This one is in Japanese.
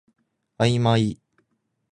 あいまい